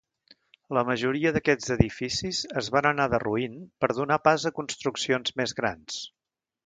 La majoria d'aquests edificis es van anar derruint per donar pas a construccions més grans.